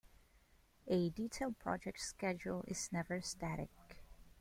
A Detailed project schedule is never static.